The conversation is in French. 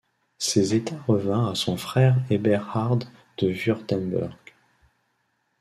Ses états revinrent à son frère Eberhard de Wurtemberg.